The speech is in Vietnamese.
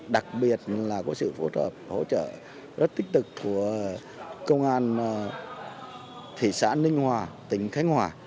đặc biệt là có sự phối hợp hỗ trợ rất tích cực của công an thị xã ninh hòa tỉnh khánh hòa